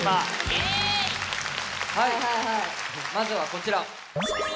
まずはこちら。